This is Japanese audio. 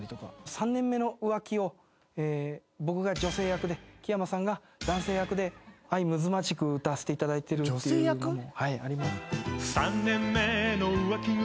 『３年目の浮気』を僕が女性役で木山さんが男性役で愛むつまじく歌わせていただいてるっていうのも。